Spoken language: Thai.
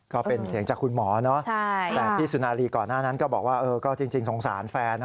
ก็เป็นเสียงจากคุณหมอเนอะแต่พี่สุนารีก่อนหน้านั้นก็บอกว่าเออก็จริงสงสารแฟนนะ